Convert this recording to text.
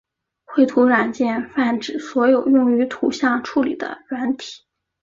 绘图软件泛指所有用于图像处理的软体。